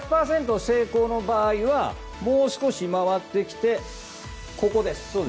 成功の場合はもう少し回ってきてここです。